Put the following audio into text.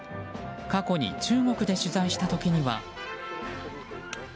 過去に中国で取材した時には。